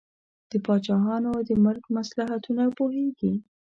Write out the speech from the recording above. د پاچاهانو د ملک مصلحتونه پوهیږي.